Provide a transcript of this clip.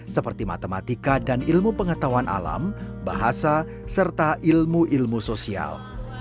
seperti matematika dan ilmu pengetahuan alam bahasa serta ilmu ilmu sosial